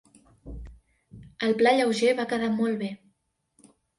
El pla lleuger va quedar molt bé.